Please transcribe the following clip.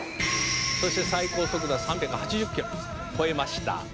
「そして最高速度は３８０キロ超えました」